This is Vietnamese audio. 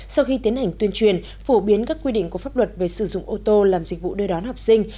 sau khi tiến hành tuyên truyền phổ biến các quy định của pháp luật về sử dụng ô tô làm dịch vụ đưa đón học sinh